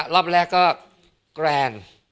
รอบแรกก็แกรน